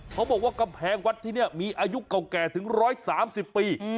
เขาบอกว่ากำแพงวัดที่เนี้ยมีอายุเก่าแก่ถึงร้อยสามสิบปีอืม